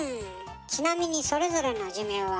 ちなみにそれぞれの寿命は？